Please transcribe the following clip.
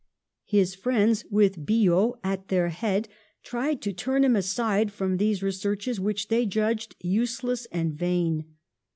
His friends, with Biot at their head, tried to turn him aside from these researches, which they judged useless and vain.